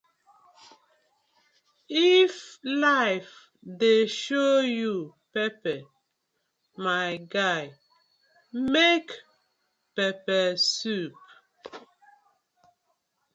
If life dey show you pepper, my guy make pepper soup.